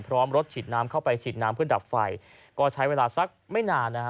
รถฉีดน้ำเข้าไปฉีดน้ำเพื่อดับไฟก็ใช้เวลาสักไม่นานนะฮะ